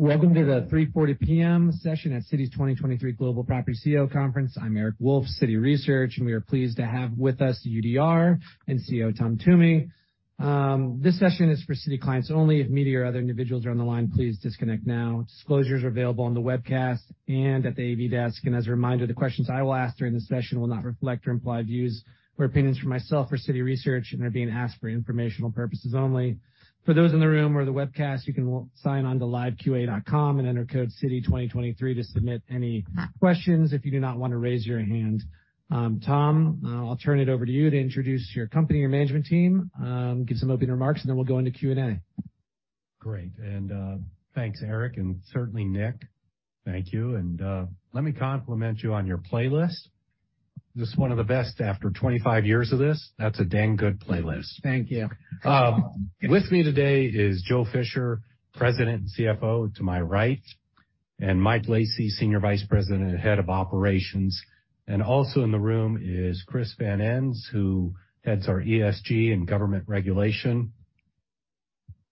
Welcome to the 3:40 P.M. session at Citi's 2023 Global Property CEO Conference. I'm Eric Wolfe, Citi Research, we are pleased to have with us UDR and CEO Tom Toomey. This session is for Citi clients only. If me or other individuals are on the line, please disconnect now. Disclosures are available on the webcast and at the AV desk. As a reminder, the questions I will ask during the session will not reflect or imply views or opinions for myself or Citi Research, and they're being asked for informational purposes only. For those in the room or the webcast, you can sign on to liveqa.com and enter code Citi 2023 to submit any questions if you do not want to raise your hand. Tom, I'll turn it over to you to introduce your company, your management team, give some opening remarks, and then we'll go into Q&A. Great. Thanks, Eric Wolfe, and certainly Nick. Thank you. Let me compliment you on your playlist. This is one of the best after 25 years of this. That's a dang good playlist. Thank you. With me today is Joe Fisher, President and CFO, to my right, and Mike Lacy, Senior Vice President, Head of Operations. Also in the room is Chris Van Ens, who heads our ESG and government regulation.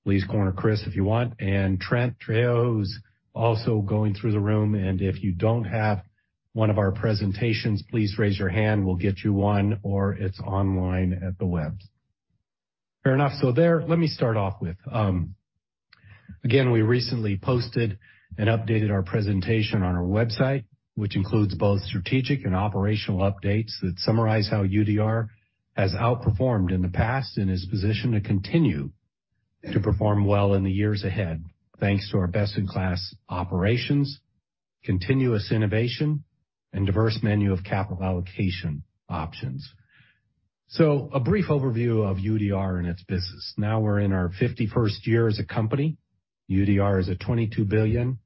Please corner Chris if you want. Trent Trujillo, who's also going through the room. If you don't have one of our presentations, please raise your hand. We'll get you one, or it's online at the web. Fair enough. There. Let me start off with, again, we recently posted and updated our presentation on our website, which includes both strategic and operational updates that summarize how UDR has outperformed in the past and is positioned to continue to perform well in the years ahead, thanks to our best-in-class operations, continuous innovation, and diverse menu of capital allocation options. A brief overview of UDR and its business. We're in our 51st year as a company. UDR is a $22 billion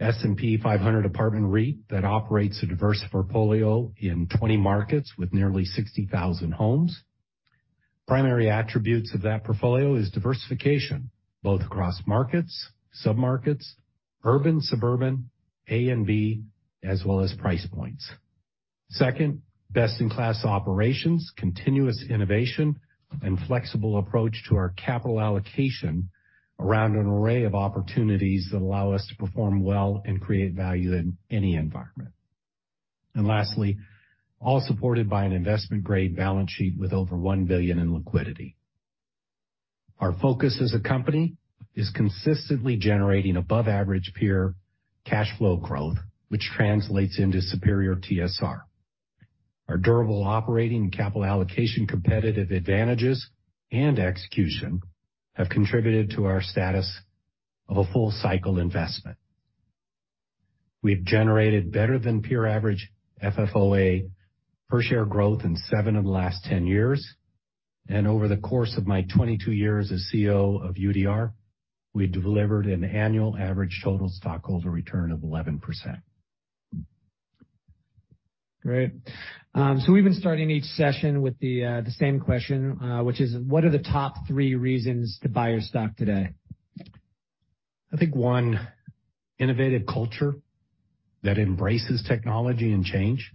S&P 500 apartment REIT that operates a diverse portfolio in 20 markets with nearly 60,000 homes. Primary attributes of that portfolio is diversification, both across markets, submarkets, urban, suburban, A and B, as well as price points. Second, best-in-class operations, continuous innovation, and flexible approach to our capital allocation around an array of opportunities that allow us to perform well and create value in any environment. Lastly, all supported by an investment-grade balance sheet with over $1 billion in liquidity. Our focus as a company is consistently generating above-average peer cash flow growth, which translates into superior TSR. Our durable operating and capital allocation competitive advantages and execution have contributed to our status of a full-cycle investment. We've generated better than peer average FFOA per share growth in seven of the last 10 years. Over the course of my 22 years as CEO of UDR, we delivered an annual average total stockholder return of 11%. Great. we've been starting each session with the same question, which is, what are the top three reasons to buy your stock today? I think, one, innovative culture that embraces technology and change,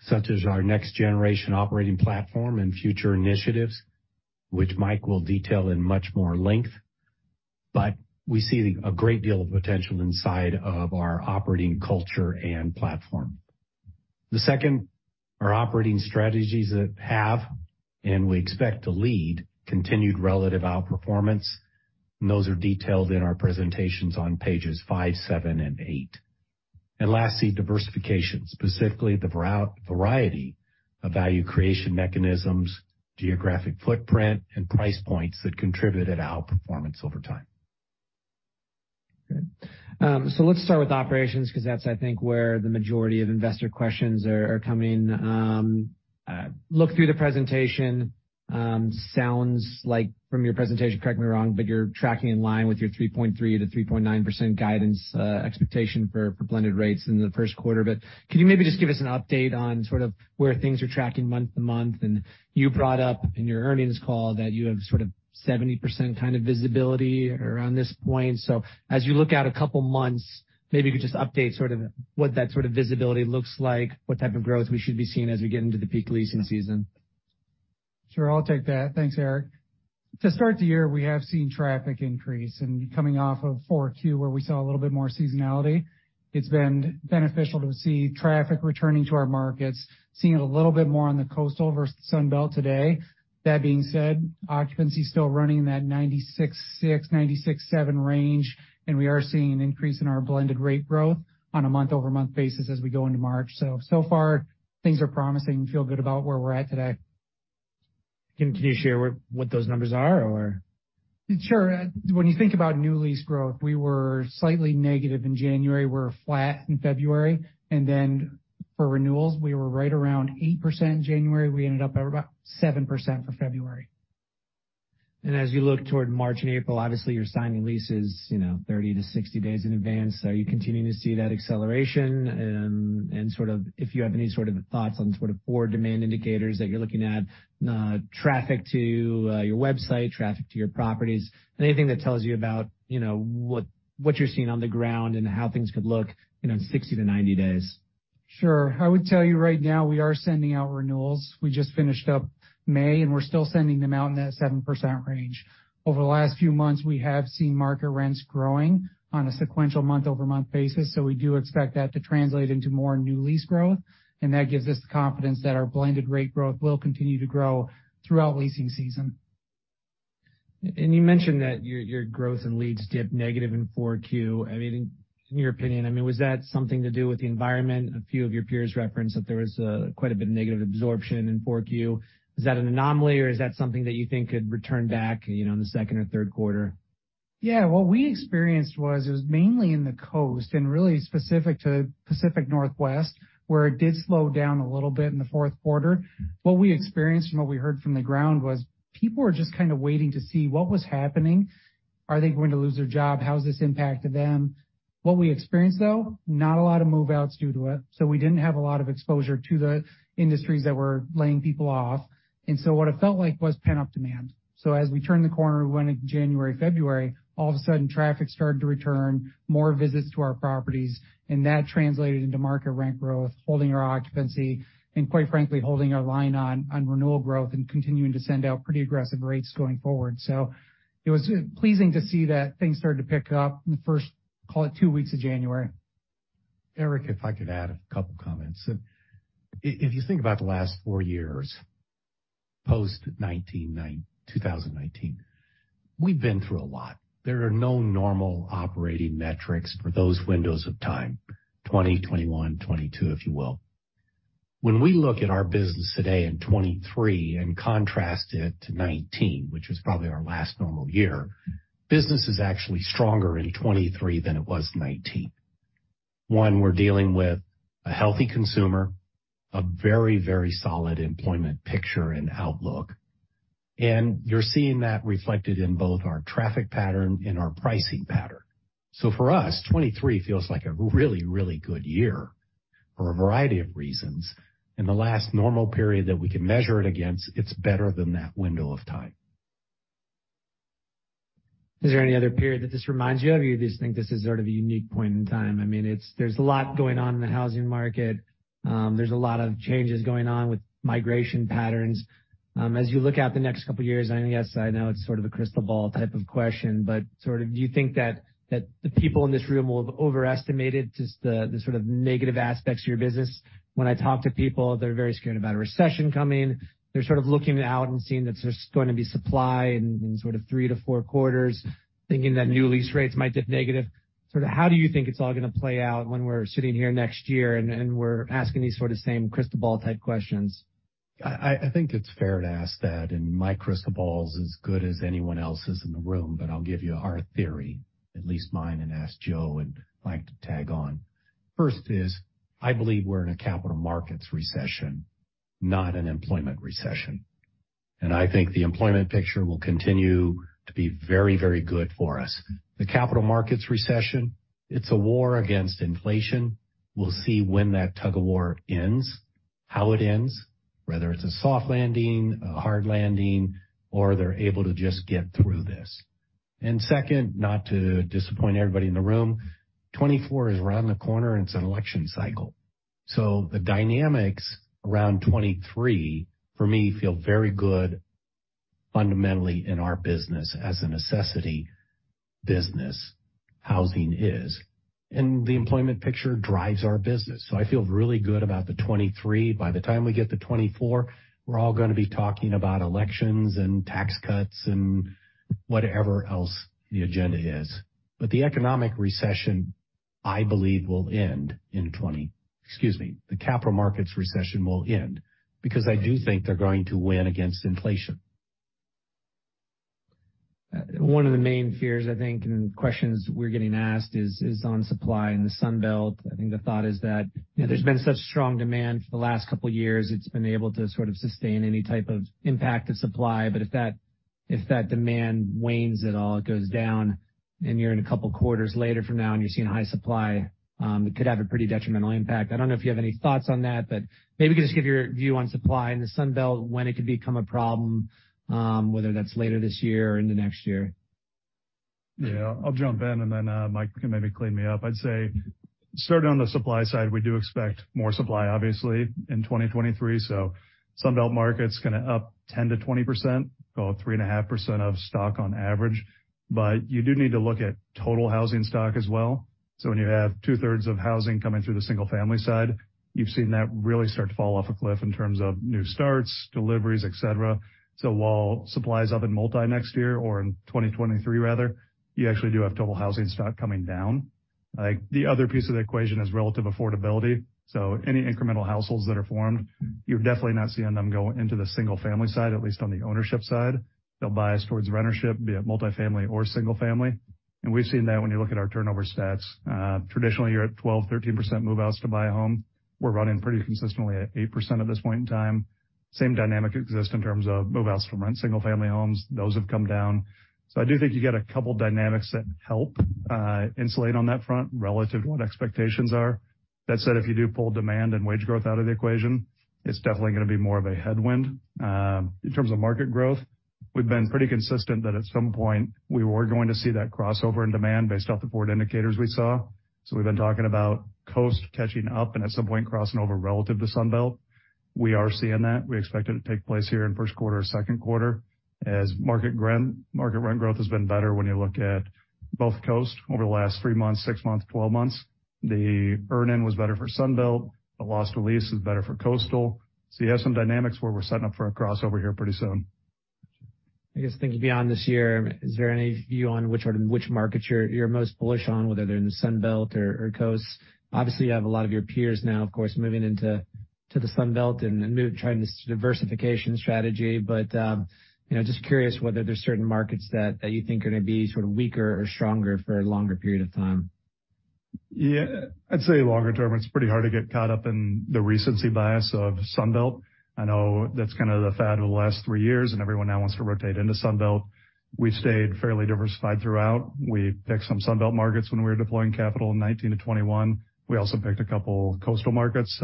such as our Next Generation Operating Platform and future initiatives, which Mike will detail in much more length. We see a great deal of potential inside of our operating culture and platform. The second are operating strategies that have, and we expect to lead, continued relative outperformance, and those are detailed in our presentations on pages five, seven, and eight. Lastly, diversification, specifically the variety of value creation mechanisms, geographic footprint, and price points that contributed outperformance over time. Great. Let's start with operations because that's, I think, where the majority of investor questions are coming. Look through the presentation, sounds like from your presentation, correct me wrong, you're tracking in line with your 3.3%-3.9% guidance expectation for blended rates in the first quarter. Can you maybe just give us an update on sort of where things are tracking month-over-month? You brought up in your earnings call that you have sort of 70% kind of visibility around this point. As you look out a couple months, maybe you could just update sort of what that sort of visibility looks like, what type of growth we should be seeing as we get into the peak leasing season. Sure. I'll take that. Thanks, Eric Wolfe. Coming off of 4Q, where we saw a little bit more seasonality, it's been beneficial to see traffic returning to our markets, seeing it a little bit more on the coastal versus Sun Belt today. That being said, occupancy is still running in that 96.6%-96.7% range, and we are seeing an increase in our blended rate growth on a month-over-month basis as we go into March. So far, things are promising. We feel good about where we're at today. Can you share what those numbers are or? Sure. When you think about new lease growth, we were slightly negative in January. We're flat in February. For renewals, we were right around 8% January. We ended up at about 7% for February. As you look toward March and April, obviously, you're signing leases, you know, 30 to 60 days in advance. Are you continuing to see that acceleration and sort of if you have any sort of thoughts on sort of forward demand indicators that you're looking at, traffic to your website, traffic to your properties, anything that tells you about, you know, what you're seeing on the ground and how things could look, you know, in 60 to 90 days? Sure. I would tell you right now we are sending out renewals. We just finished up May. We're still sending them out in that 7% range. Over the last few months, we have seen market rents growing on a sequential month-over-month basis. We do expect that to translate into more new lease growth. That gives us the confidence that our blended rate growth will continue to grow throughout leasing season. You mentioned that your growth in leads dipped negative in 4Q. I mean, in your opinion, I mean, was that something to do with the environment? A few of your peers referenced that there was quite a bit of negative absorption in 4Q. Is that an anomaly or is that something that you think could return back, you know, in the second or third quarter? What we experienced was, it was mainly in the coast and really specific to Pacific Northwest, where it did slow down a little bit in the fourth quarter. What we experienced and what we heard from the ground was people were just kind of waiting to see what was happening. Are they going to lose their job? How has this impacted them? What we experienced, though, not a lot of move-outs due to it, so we didn't have a lot of exposure to the industries that were laying people off. What it felt like was pent-up demand. As we turned the corner, went into January, February, all of a sudden traffic started to return, more visits to our properties, and that translated into market rent growth, holding our occupancy, and quite frankly, holding our line on renewal growth and continuing to send out pretty aggressive rates going forward. It was pleasing to see that things started to pick up in the first, call it, two weeks of January. Eric, if I could add a couple comments. If you think about the last four years, post 2019, we've been through a lot. There are no normal operating metrics for those windows of time, 2020, 2021, 2022, if you will. When we look at our business today in 2023 and contrast it to 2019, which was probably our last normal year, business is actually stronger in 2023 than it was in 2019. One, we're dealing with a healthy consumer, a very solid employment picture and outlook, and you're seeing that reflected in both our traffic pattern and our pricing pattern. For us, 2023 feels like a really, really good year for a variety of reasons. In the last normal period that we can measure it against, it's better than that window of time. Is there any other period that this reminds you of or you just think this is sort of a unique point in time? I mean, there's a lot going on in the housing market. There's a lot of changes going on with migration patterns. As you look out the next couple of years, I guess I know it's sort of a crystal ball type of question, but sort of do you think that the people in this room will have overestimated just the sort of negative aspects of your business? When I talk to people, they're very scared about a recession coming. They're sort of looking out and seeing that there's going to be supply in sort of three to four quarters, thinking that new lease rates might dip negative. Sort of how do you think it's all gonna play out when we're sitting here next year and we're asking these sort of same crystal ball type questions? I think it's fair to ask that, my crystal ball is as good as anyone else's in the room, but I'll give you our theory, at least mine, and ask Joe Fisher and Mike Lacy to tag on. First is, I believe we're in a capital markets recession, not an employment recession. I think the employment picture will continue to be very, very good for us. The capital markets recession, it's a war against inflation. We'll see when that tug-of-war ends, how it ends, whether it's a soft landing, a hard landing, or they're able to just get through this. Second, not to disappoint everybody in the room, 2024 is around the corner, and it's an election cycle. The dynamics around 2023, for me, feel very good fundamentally in our business as a necessity business housing is. The employment picture drives our business, so I feel really good about 2023. By the time we get to 2024, we're all gonna be talking about elections and tax cuts and whatever else the agenda is. The economic recession, I believe, will end in 2020. Excuse me. The capital markets recession will end because I do think they're going to win against inflation. One of the main fears, I think, and questions we're getting asked is on supply in the Sun Belt. I think the thought is that, you know, there's been such strong demand for the last two years. It's been able to sort of sustain any type of impact of supply. If that demand wanes at all, it goes down, and you're in two quarters later from now and you're seeing high supply, it could have a pretty detrimental impact. I don't know if you have any thoughts on that, but maybe just give your view on supply in the Sun Belt, when it could become a problem, whether that's later this year or into next year. Yeah. I'll jump in, and then Mike can maybe clean me up. I'd say certainly on the supply side, we do expect more supply, obviously, in 2023. Sun Belt market's going to up 10%-20%, about 3.5% of stock on average. You do need to look at total housing stock as well. When you have two-thirds of housing coming through the single-family side, you've seen that really start to fall off a cliff in terms of new starts, deliveries, et cetera. While supply is up in multi next year or in 2023 rather, you actually do have total housing stock coming down. The other piece of the equation is relative affordability. Any incremental households that are formed, you're definitely not seeing them go into the single-family side, at least on the ownership side. They'll bias towards rentership, be it multifamily or single family. We've seen that when you look at our turnover stats. Traditionally, you're at 12%, 13% move-outs to buy a home. We're running pretty consistently at 8% at this point in time. Same dynamic exists in terms of move-outs from rent, single-family homes. Those have come down. I do think you get a couple dynamics that help insulate on that front relative to what expectations are. That said, if you do pull demand and wage growth out of the equation, it's definitely gonna be more of a headwind in terms of market growth. We've been pretty consistent that at some point we were going to see that crossover in demand based off the board indicators we saw. We've been talking about coast catching up and at some point crossing over relative to Sun Belt. We are seeing that. We expect it to take place here in first quarter, second quarter as market rent growth has been better when you look at both coasts over the last three months, six months, 12 months. The earn in was better for Sun Belt. The lost release is better for coastal. You have some dynamics where we're setting up for a crossover here pretty soon. I guess thinking beyond this year, is there any view on which markets you're most bullish on, whether they're in the Sun Belt or coast? Obviously, you have a lot of your peers now, of course, moving into the Sun Belt and trying this diversification strategy. You know, just curious whether there's certain markets that you think are gonna be sort of weaker or stronger for a longer period of time. I'd say longer term, it's pretty hard to get caught up in the recency bias of Sun Belt. I know that's kind of the fad over the last three years, and everyone now wants to rotate into Sun Belt. We've stayed fairly diversified throughout. We picked some Sun Belt markets when we were deploying capital in 19-21. We also picked a couple coastal markets.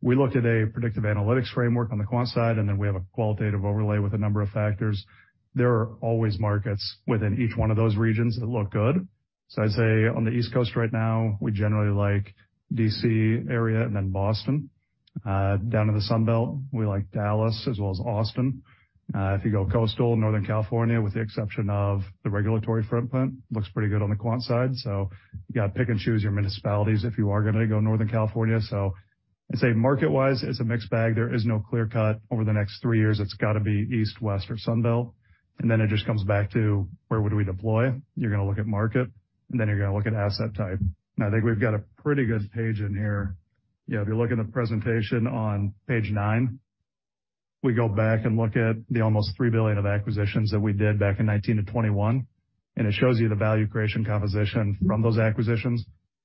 We looked at a predictive analytics framework on the quant side, and then we have a qualitative overlay with a number of factors. There are always markets within each one of those regions that look good. I'd say on the East Coast right now, we generally like D.C. area and then Boston. Down to the Sun Belt, we like Dallas as well as Austin. If you go coastal, Northern California, with the exception of the regulatory footprint, looks pretty good on the quant side. You got to pick and choose your municipalities if you are gonna go Northern California. I'd say market-wise, it's a mixed bag. There is no clear cut over the next three years, it's got to be East, West or Sun Belt. It just comes back to where would we deploy. You're gonna look at market, and then you're gonna look at asset type. I think we've got a pretty good page in here. You know, if you look in the presentation on page nine, we go back and look at the almost $3 billion of acquisitions that we did back in 2019 to 2021, and it shows you the value creation composition from those acquisitions.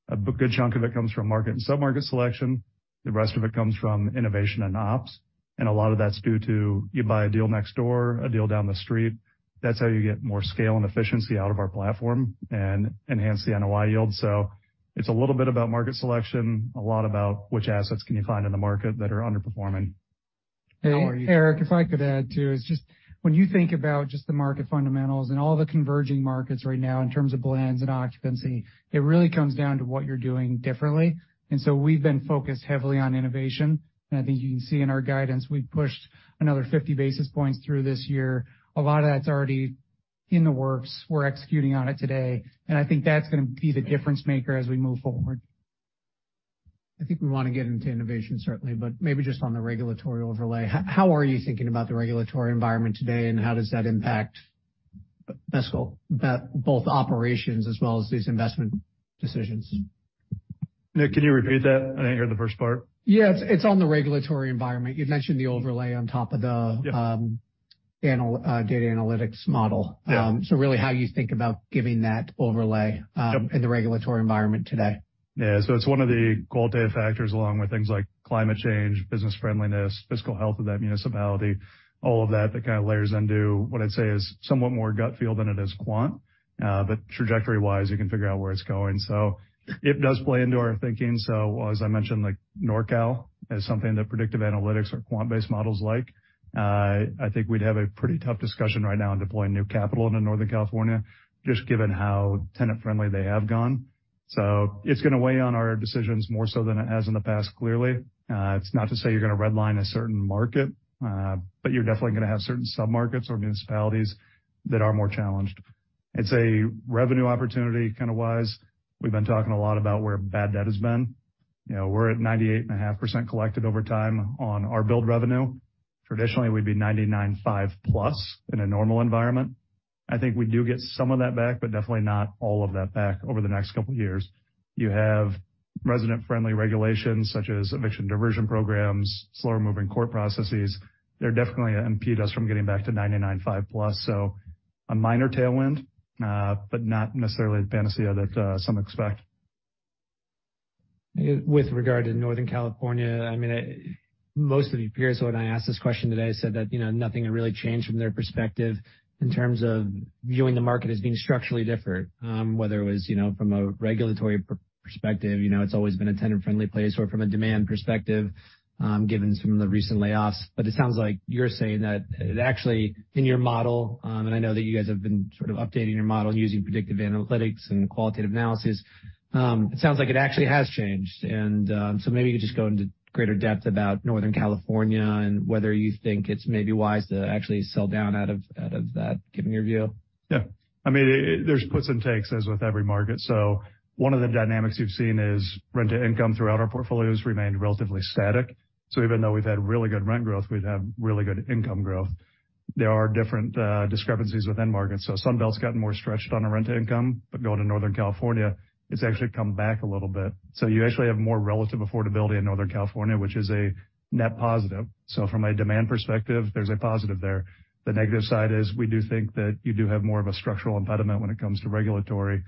A good chunk of it comes from market and sub-market selection. The rest of it comes from innovation and ops. A lot of that's due to you buy a deal next door, a deal down the street. That's how you get more scale and efficiency out of our platform and enhance the NOI yield. It's a little bit about market selection, a lot about which assets can you find in the market that are underperforming. Eric, if I could add, too. It's just when you think about just the market fundamentals and all the converging markets right now in terms of blends and occupancy, it really comes down to what you're doing differently. We've been focused heavily on innovation. I think you can see in our guidance, we've pushed another 50 basis points through this year. A lot of that's already in the works. We're executing on it today. I think that's gonna be the difference maker as we move forward. I think we want to get into innovation, certainly, but maybe just on the regulatory overlay, how are you thinking about the regulatory environment today and how does that impact best of both operations as well as these investment decisions? Eric, can you repeat that? I didn't hear the first part. Yeah, it's on the regulatory environment. You'd mentioned the overlay on top of the data analytics model. Yeah. Really how you think about giving that overlay in the regulatory environment today. It's one of the qualitative factors along with things like climate change, business friendliness, fiscal health of that municipality, all of that kind of layers into what I'd say is somewhat more gut feel than it is quant. Trajectory-wise, you can figure out where it's going. It does play into our thinking. As I mentioned, like NorCal is something that predictive analytics or quant-based models like. I think we'd have a pretty tough discussion right now on deploying new capital into Northern California just given how tenant-friendly they have gone. It's gonna weigh on our decisions more so than it has in the past. Clearly, it's not to say you're gonna red line a certain market, you're definitely gonna have certain sub-markets or municipalities that are more challenged. It's a revenue opportunity, kind a wise. We've been talking a lot about where bad debt has been. You know, we're at 98.5% collected over time on our build revenue. Traditionally, we'd be 99.5%+ in a normal environment. I think we do get some of that back, but definitely not all of that back over the next couple of years. You have resident-friendly regulations such as eviction diversion programs, slower moving court processes. They're definitely gonna impede us from getting back to 99.5%+. A minor tailwind, but not necessarily the panacea that some expect. With regard to Northern California, I mean, most of the peers when I asked this question today said that, you know, nothing had really changed from their perspective in terms of viewing the market as being structurally different, whether it was, you know, from a regulatory perspective, you know, it's always been a tenant friendly place or from a demand perspective, given some of the recent layoffs. It sounds like you're saying that actually in your model, and I know that you guys have been sort of updating your model using predictive analytics and qualitative analysis. It sounds like it actually has changed. Maybe you just go into greater depth about Northern California and whether you think it's maybe wise to actually sell down out of that, given your view. I mean, there's puts and takes, as with every market. One of the dynamics you've seen is rent-to-income throughout our portfolios remained relatively static. Even though we've had really good rent growth, we'd have really good income growth. There are different discrepancies within markets. Sun Belt's gotten more stretched on the rent-to-income, but going to Northern California, it's actually come back a little bit. You actually have more relative affordability in Northern California, which is a net positive. From a demand perspective, there's a positive there. The negative side is we do think that you do have more of a structural impediment when it comes to regulatory.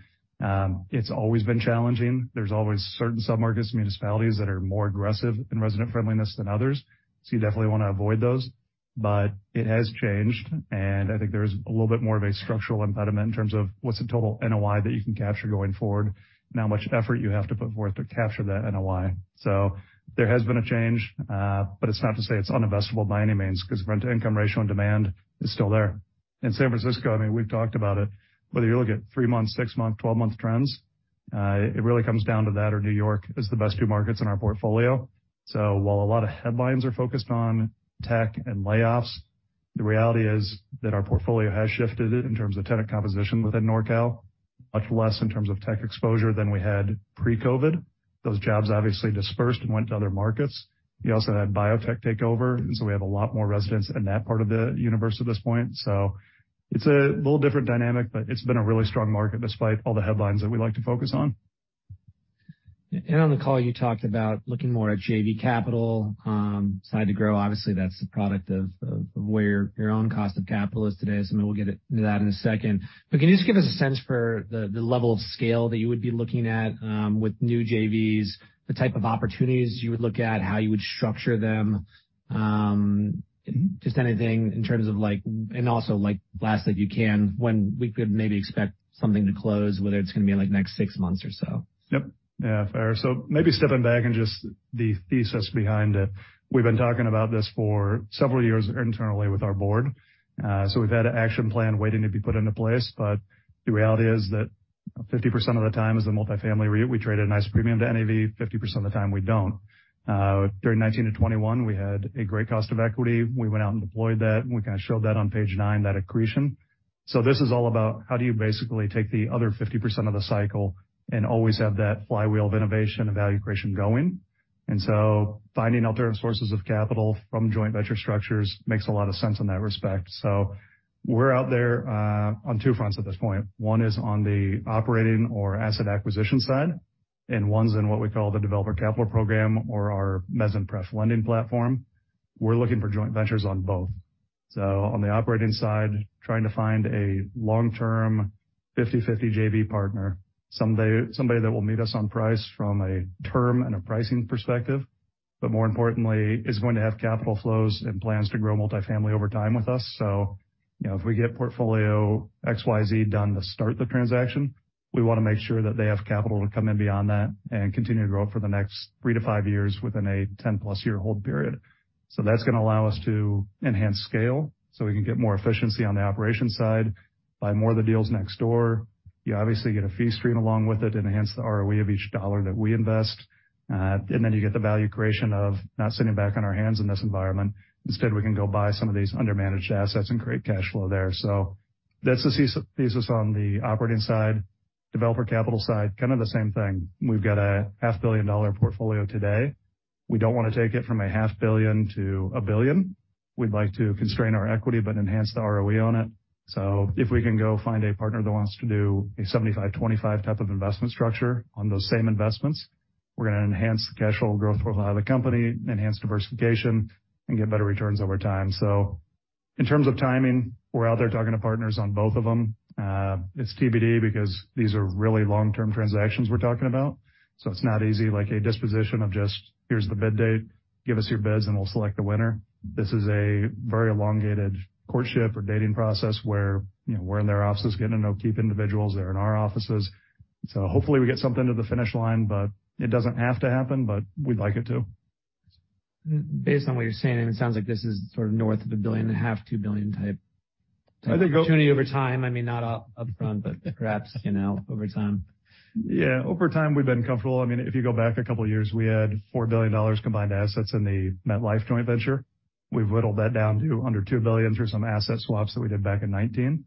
It's always been challenging. There's always certain submarkets, municipalities that are more aggressive in resident friendliness than others, so you definitely wanna avoid those. It has changed, and I think there's a little bit more of a structural impediment in terms of what's the total NOI that you can capture going forward and how much effort you have to put forth to capture that NOI. There has been a change, but it's not to say it's uninvestable by any means, 'cause rent-to-income ratio and demand is still there. In San Francisco, I mean, we've talked about it, whether you look at three-month, six-month, twelve-month trends, it really comes down to that or New York as the best two markets in our portfolio. While a lot of headlines are focused on tech and layoffs, the reality is that our portfolio has shifted in terms of tenant composition within NorCal, much less in terms of tech exposure than we had pre-COVID. Those jobs obviously dispersed and went to other markets. You also had biotech take over, and so we have a lot more residents in that part of the universe at this point. It's a little different dynamic, but it's been a really strong market despite all the headlines that we like to focus on. On the call, you talked about looking more at JV Capital side to grow. Obviously, that's the product of where your own cost of capital is today. Maybe we'll get into that in a second. Can you just give us a sense for the level of scale that you would be looking at with new JVs, the type of opportunities you would look at, how you would structure them? Just anything in terms of and also lastly if you can, when we could maybe expect something to close, whether it's gonna be in like next six months or so. Yep. Yeah. Fair. Maybe stepping back and just the thesis behind it. We've been talking about this for several years internally with our board. We've had an action plan waiting to be put into place. The reality is that 50% of the time as a multifamily REIT, we trade at a nice premium to NAV, 50% of the time we don't. During 2019-2021, we had a great cost of equity. We went out and deployed that, and we kinda showed that on page nine, that accretion. This is all about how do you basically take the other 50% of the cycle and always have that flywheel of innovation and value creation going. Finding alternative sources of capital from joint venture structures makes a lot of sense in that respect. We're out there on two fronts at this point. One is on the operating or asset acquisition side, and one's in what we call the Developer Capital Program or our Mezz and Pref Lending Platform. We're looking for joint ventures on both. On the operating side, trying to find a long-term 50/50 JV partner, somebody that will meet us on price from a term and a pricing perspective, but more importantly, is going to have capital flows and plans to grow multifamily over time with us. You know, if we get portfolio X, Y, Z done to start the transaction, we wanna make sure that they have capital to come in beyond that and continue to grow for the next three to five years within a 10-plus year hold period. That's gonna allow us to enhance scale so we can get more efficiency on the operations side, buy more of the deals next door. You obviously get a fee stream along with it, enhance the ROE of each dollar that we invest. Then you get the value creation of not sitting back on our hands in this environment. Instead, we can go buy some of these undermanaged assets and create cash flow there. That's the thesis on the operating side. Developer Capital side, kind of the same thing. We've got a half billion dollar portfolio today. We don't wanna take it from a half billion to a billion. We'd like to constrain our equity but enhance the ROE on it. If we can go find a partner that wants to do a 75/25 type of investment structure on those same investments, we're gonna enhance the cash flow growth profile of the company, enhance diversification, and get better returns over time. In terms of timing, we're out there talking to partners on both of them. It's TBD because these are really long-term transactions we're talking about, so it's not easy like a disposition of just, here's the bid date, give us your bids, and we'll select a winner. This is a very elongated courtship or dating process where, you know, we're in their offices getting to know key individuals, they're in our offices. Hopefully we get something to the finish line, but it doesn't have to happen, but we'd like it to. Based on what you're saying, it sounds like this is sort of north of a billion and a half, $2 billion type-. I think- opportunity over time. I mean, not upfront, but perhaps, you know, over time. Yeah. Over time, we've been comfortable. I mean, if you go back a couple of years, we had $4 billion combined assets in the MetLife joint venture. We've whittled that down to under $2 billion through some asset swaps that we did back in 2019.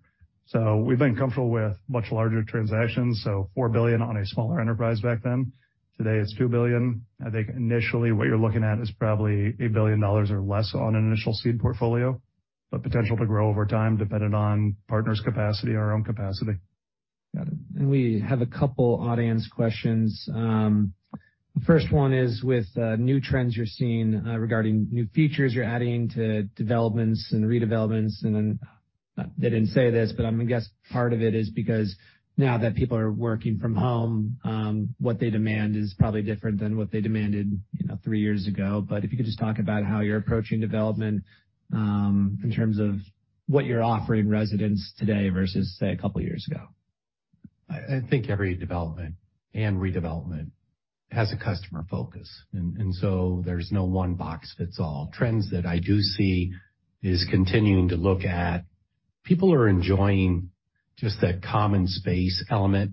We've been comfortable with much larger transactions. Four billion on a smaller enterprise back then. Today, it's $2 billion. I think initially, what you're looking at is probably $1 billion or less on an initial seed portfolio, but potential to grow over time depending on partner's capacity and our own capacity. Got it. We have a couple audience questions. The first one is with new trends you're seeing regarding new features you're adding to developments and redevelopments. Then, they didn't say this, but I'm gonna guess part of it is because now that people are working from home, what they demand is probably different than what they demanded, you know, three years ago. If you could just talk about how you're approaching development in terms of what you're offering residents today versus, say, a couple of years ago. I think every development and redevelopment has a customer focus. There's no one box fits all. Trends that I do see is continuing to look at people are enjoying just that common space element,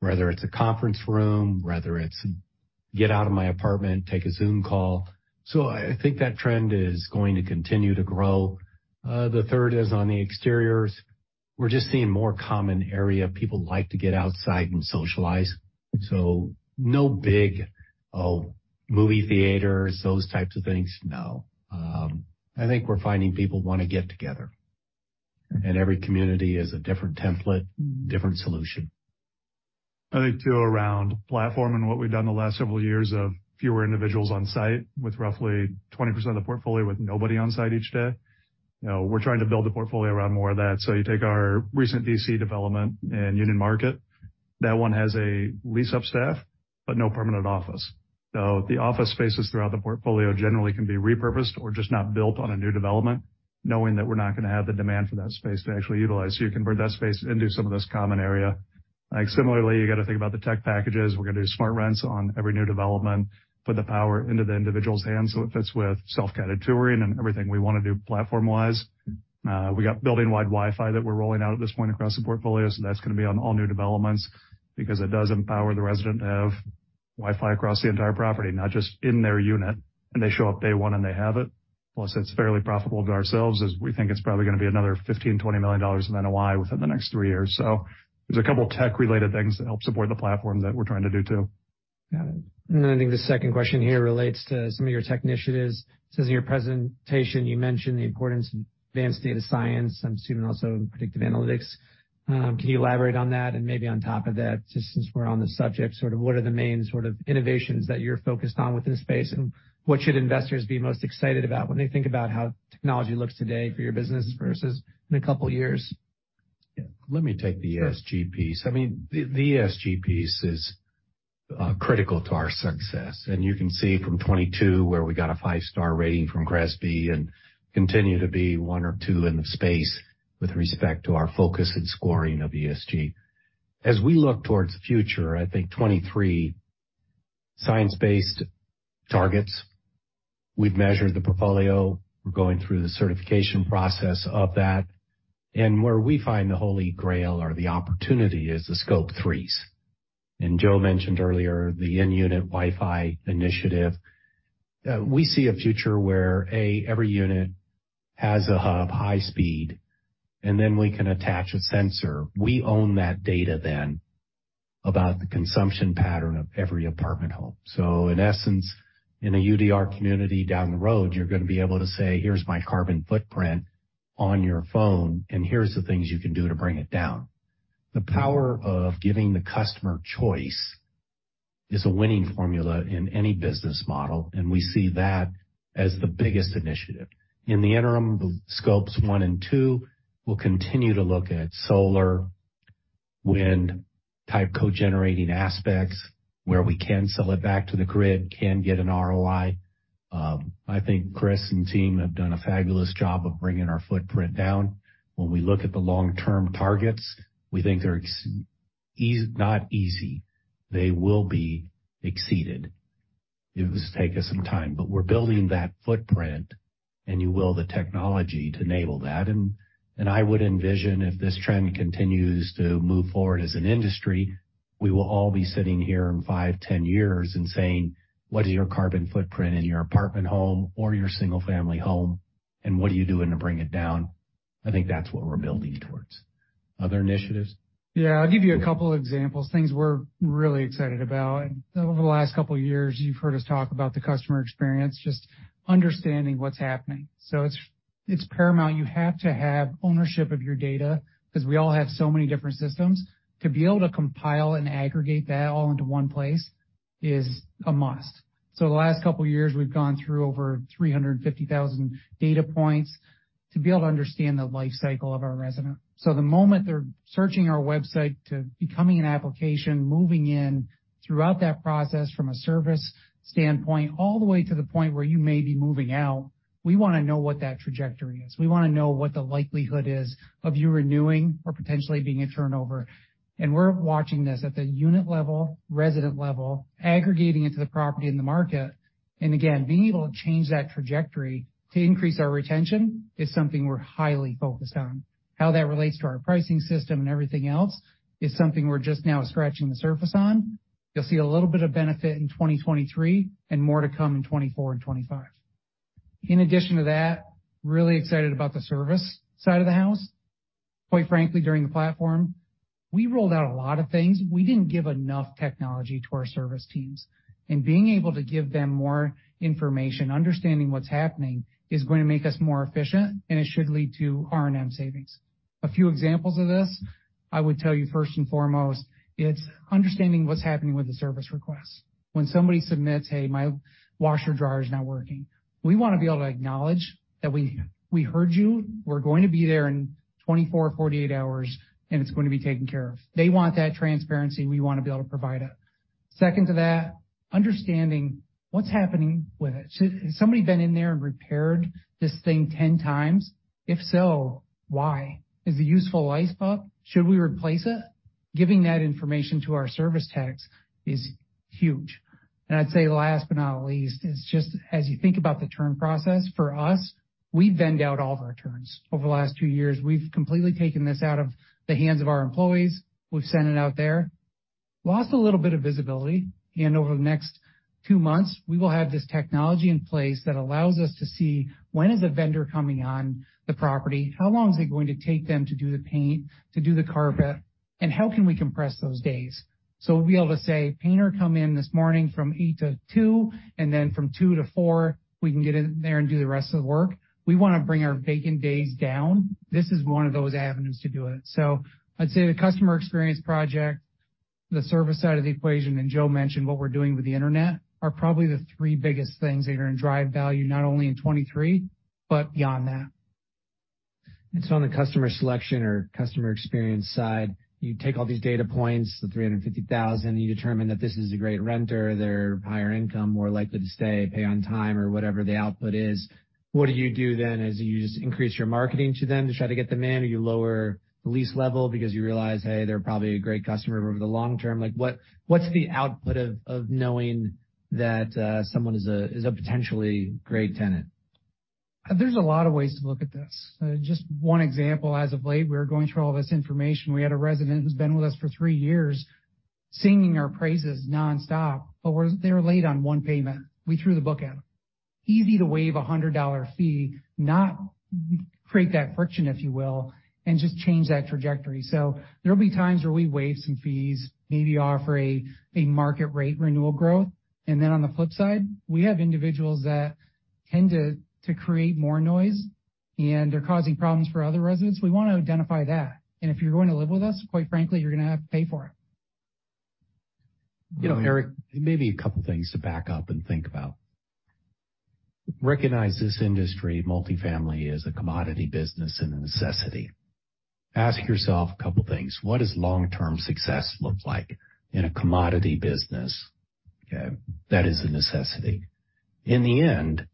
whether it's a conference room, whether it's get out of my apartment, take a Zoom call. I think that trend is going to continue to grow. The third is on the exteriors. We're just seeing more common area. People like to get outside and socialize. No big, oh, movie theaters, those types of things. No. I think we're finding people wanna get together. Every community is a different template, different solution. I think too, around platform and what we've done the last several years of fewer individuals on site with roughly 20% of the portfolio with nobody on site each day. You know, we're trying to build a portfolio around more of that. You take our recent D.C. development in Union Market, that one has a lease-up staff but no permanent office. The office spaces throughout the portfolio generally can be repurposed or just not built on a new development, knowing that we're not gonna have the demand for that space to actually utilize. You convert that space into some of this common area. Similarly, you gotta think about the tech packages. We're gonna do SmartRent on every new development, put the power into the individual's hands so it fits with self-guided touring and everything we wanna do platform-wise. We got building-wide Wi-Fi that we're rolling out at this point across the portfolio, that's gonna be on all new developments because it does empower the resident to have. Wi-Fi across the entire property, not just in their unit, and they show up day one and they have it. Plus it's fairly profitable to ourselves as we think it's probably going to be another $15 million-$20 million in NOI within the next three years. There's a couple tech-related things to help support the platform that we're trying to do too. Got it. I think the second question here relates to some of your tech initiatives. It says, in your presentation, you mentioned the importance of advanced data science, I'm assuming also predictive analytics. Can you elaborate on that? Maybe on top of that, just since we're on the subject, sort of what are the main sort of innovations that you're focused on within the space, and what should investors be most excited about when they think about how technology looks today for your business versus in a couple of years? Yeah. Let me take the ESG piece. I mean, the ESG piece is critical to our success. You can see from 2022 where we got a five-star rating from GRESB and continue to be one or two in the space with respect to our focus and scoring of ESG. As we look towards the future, I think 2023 Science Based Targets, we've measured the portfolio. We're going through the certification process of that. Where we find the Holy Grail or the opportunity is the Scope III. Joe mentioned earlier the in-unit Wi-Fi initiative. We see a future where, A, every unit has a hub, high speed, and then we can attach a sensor. We own that data then about the consumption pattern of every apartment home. In essence, in a UDR community down the road, you're gonna be able to say, "Here's my carbon footprint on your phone, and here's the things you can do to bring it down." The power of giving the customer choice is a winning formula in any business model, and we see that as the biggest initiative. In the interim, Scope I and II, we'll continue to look at solar, wind-type cogenerating aspects where we can sell it back to the grid, can get an ROI. I think Chris and team have done a fabulous job of bringing our footprint down. When we look at the long-term targets, we think they're not easy. They will be exceeded. It will just take us some time. We're building that footprint, and you will the technology to enable that. I would envision if this trend continues to move forward as an industry, we will all be sitting here in five, 10 years and saying, "What is your carbon footprint in your apartment home or your single-family home, and what are you doing to bring it down?" I think that's what we're building towards. Other initiatives? Yeah. I'll give you a couple of examples, things we're really excited about. Over the last couple of years, you've heard us talk about the customer experience, just understanding what's happening. It's paramount. You have to have ownership of your data 'cause we all have so many different systems. To be able to compile and aggregate that all into one place is a must. The last couple of years, we've gone through over 350,000 data points to be able to understand the life cycle of our resident. The moment they're searching our website to becoming an application, moving in throughout that process from a service standpoint, all the way to the point where you may be moving out, we wanna know what that trajectory is. We wanna know what the likelihood is of you renewing or potentially being a turnover. We're watching this at the unit level, resident level, aggregating it to the property and the market. Again, being able to change that trajectory to increase our retention is something we're highly focused on. How that relates to our pricing system and everything else is something we're just now scratching the surface on. You'll see a little bit of benefit in 2023 and more to come in 2024 and 2025. In addition to that, really excited about the service side of the house. Quite frankly, during the platform, we rolled out a lot of things. We didn't give enough technology to our service teams. Being able to give them more information, understanding what's happening is gonna make us more efficient, and it should lead to R&M savings. A few examples of this, I would tell you first and foremost, it's understanding what's happening with the service request. When somebody submits, "Hey, my washer dryer is not working," we wanna be able to acknowledge that we heard you. We're going to be there in 24, 48 hours, and it's going to be taken care of. They want that transparency. We wanna be able to provide it. Second to that, understanding what's happening with it. Has somebody been in there and repaired this thing 10 times? If so, why? Is the useful life up? Should we replace it? Giving that information to our service techs is huge. I'd say last but not least is just as you think about the turn process for us, we vend out all of our turns. Over the last two years, we've completely taken this out of the hands of our employees. We've sent it out there. Lost a little bit of visibility. Over the next two months, we will have this technology in place that allows us to see when is a vendor coming on the property, how long is it going to take them to do the paint, to do the carpet, and how can we compress those days. We'll be able to say, "Painter come in this morning from 8:00 A.M. to 2:00 P.M., and then from 2:00 P.M. to 4:00 P.M., we can get in there and do the rest of the work." We wanna bring our vacant days down. This is one of those avenues to do it. I'd say the customer experience project, the service side of the equation, and Joe mentioned what we're doing with the Internet, are probably the three biggest things that are gonna drive value not only in 2023 but beyond that. On the customer selection or customer experience side, you take all these data points, the 350,000, you determine that this is a great renter, they're higher income, more likely to stay, pay on time or whatever the output is. What do you do then? Is it you just increase your marketing to them to try to get them in, or you lower the lease level because you realize, hey, they're probably a great customer over the long term? Like, what's the output of knowing that someone is a potentially great tenant? There's a lot of ways to look at this. just one example, as of late, we're going through all this information. We had a resident who's been with us for three years singing our praises nonstop, but they were late on one payment. We threw the book at them. Easy to waive a $100 fee, not create that friction, if you will, and just change that trajectory. There'll be times where we waive some fees, maybe offer a market rate renewal growth. Then on the flip side, we have individuals that tend to create more noise, and they're causing problems for other residents. We wanna identify that. If you're going to live with us, quite frankly, you're gonna have to pay for it. You know, Eric, maybe a couple of things to back up and think about. Recognize this industry, multifamily, is a commodity business and a necessity. Ask yourself a couple things: What does long-term success look like in a commodity business, okay, that is a necessity? In the end,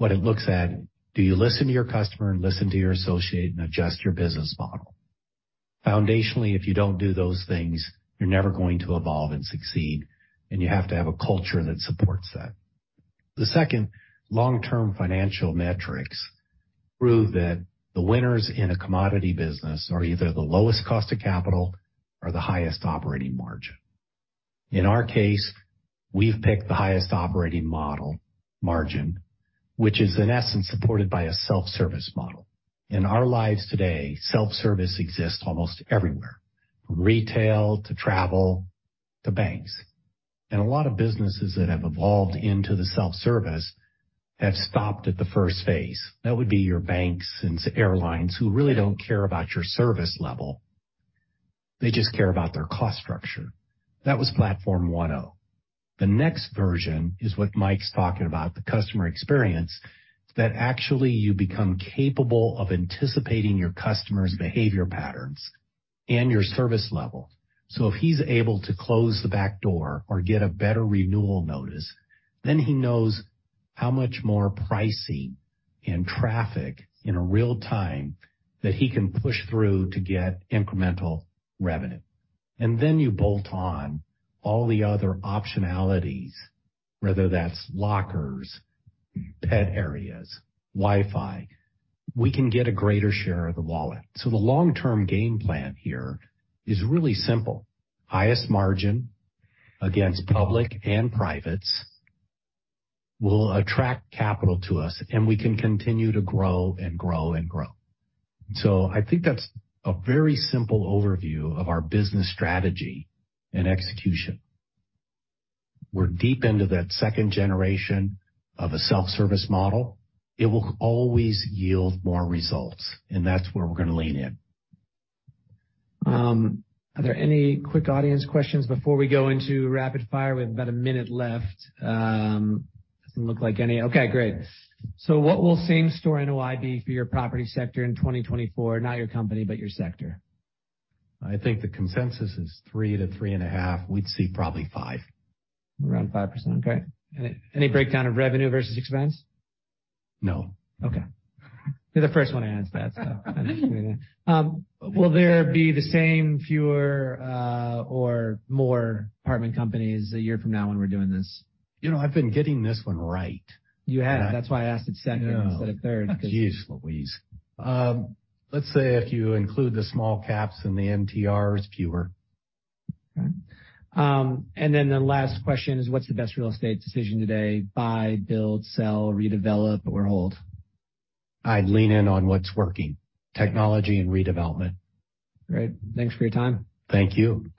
what it looks at, do you listen to your customer and listen to your associate and adjust your business model? Foundationally, if you don't do those things, you're never going to evolve and succeed, and you have to have a culture that supports that. The second long-term financial metrics prove that the winners in a commodity business are either the lowest cost of capital or the highest operating margin. In our case, we've picked the highest operating model margin, which is in essence supported by a self-service model. In our lives today, self-service exists almost everywhere, from retail to travel to banks. A lot of businesses that have evolved into the self-service have stopped at the first phase. That would be your banks and airlines who really don't care about your service level. They just care about their cost structure. That was platform 1.0. The next version is what Mike's talking about, the customer experience, that actually you become capable of anticipating your customer's behavior patterns and your service level. If he's able to close the back door or get a better renewal notice, then he knows how much more pricing and traffic in a real-time that he can push through to get incremental revenue. Then you bolt on all the other optionalities, whether that's lockers, pet areas, Wi-Fi. We can get a greater share of the wallet. The long-term game plan here is really simple. Highest margin against public and privates will attract capital to us, and we can continue to grow and grow and grow. I think that's a very simple overview of our business strategy and execution. We're deep into that second generation of a self-service model. It will always yield more results, and that's where we're gonna lean in. Are there any quick audience questions before we go into rapid fire? We have about a minute left. Doesn't look like any. Okay, great. What will same-store NOI be for your property sector in 2024? Not your company, but your sector. I think the consensus is 3%-3.5%. We'd see probably 5%. Around 5%. Okay. Any breakdown of revenue versus expense? No. You're the first one to answer that. Will there be the same, fewer, or more apartment companies a year from now when we're doing this? You know, I've been getting this one right. You have. That's why I asked it second instead of third. Jeez Louise. Let's say if you include the small caps and the NTRs, fewer. Okay. The last question is what's the best real estate decision today: buy, build, sell, redevelop, or hold? I'd lean in on what's working: technology and redevelopment. Great. Thanks for your time. Thank you.